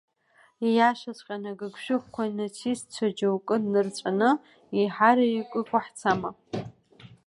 Ииашаҵәҟьаны агыгшәыгқәа-нацистцәа џьоукы нырҵәаны, еиҳараҩык ықәаҳцама?